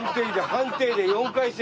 判定で４回戦。